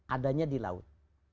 adanya di laut